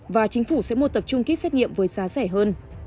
và chính phủ sẽ mua tập chung kích xét nghiệm với giá rẻ hơn